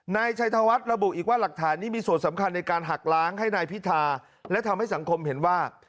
นายชัยธวัฒน์ระบุอีกว่าหลักฐานนี้มีส่วนสำคัญในการหักล้างให้นายพิธาและทำให้สังคมเห็นว่า